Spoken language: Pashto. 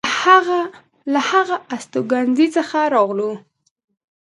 له هغه استوګنځي څخه راغلو.